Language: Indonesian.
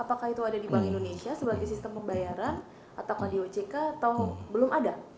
apakah itu ada di bank indonesia sebagai sistem pembayaran atau di ojk atau belum ada